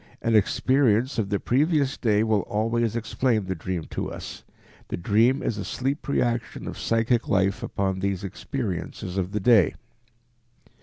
An experience of the previous day will always explain the dream to us. The dream is a sleep reaction of psychic life upon these experiences of the day.